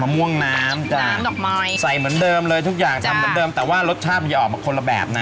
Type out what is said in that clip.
มะม่วงน้ำจากใส่เหมือนเดิมเลยทุกอย่างทำเหมือนเดิมแต่ว่ารสชาติออกมาคนละแบบนะ